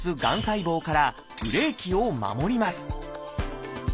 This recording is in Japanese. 細胞からブレーキを守ります。